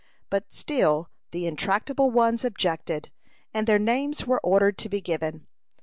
But still the intractable ones objected, and their names were ordered to be given.